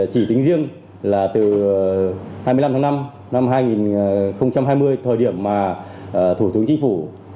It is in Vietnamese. chỉ tính riêng là từ hai mươi năm tháng năm năm hai nghìn hai mươi thời điểm mà thủ tướng chính phủ